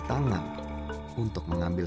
tangan untuk mengambil